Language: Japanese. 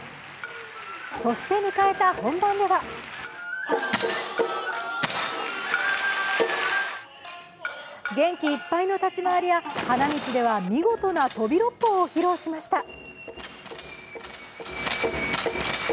そして迎えた本番では元気いっぱいの立ち回りや花道では見事な飛び六方を披露しました。